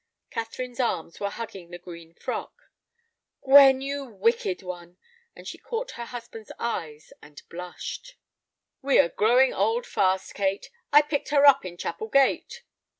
Catherine's arms were hugging the green frock. "Gwen, you wicked one," and she caught her husband's eyes and blushed. "We are growing old fast, Kate. I picked her up in Chapel Gate."